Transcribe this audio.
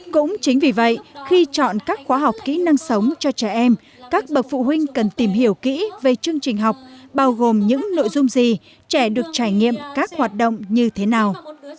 cũng chính vì vậy khi chọn các khóa học kỹ năng sống cho trẻ em các bậc phụ huynh cần tìm hiểu kỹ về chương trình học bao gồm những nội dung gì trẻ được trải nghiệm các hoạt động như thế nào